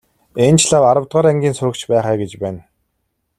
Энэ ч лав аравдугаар ангийн сурагч байх аа гэж байна.